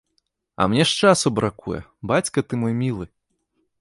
А мне ж часу бракуе, бацька ты мой мілы!